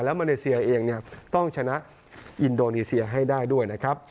มาเลเซียเองต้องชนะอินโดนีเซียให้ได้ด้วยนะครับ